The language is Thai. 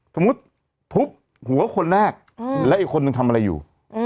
สมมุติทุบหัวคนแรกแล้วอีกคนนึงทำอะไรอยู่